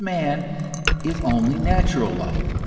man is only natural love.